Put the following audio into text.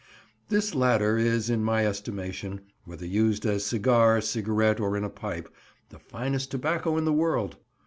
This latter is, in my estimation, whether used as cigar, cigarette, or in a pipe, the finest tobacco in the world.